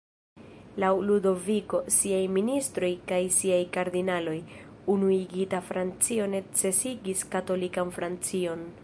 Laŭ Ludoviko, siaj ministroj kaj siaj kardinaloj, unuigita Francio necesigis katolikan Francion.